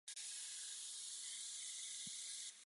该党的政治立场是极左翼。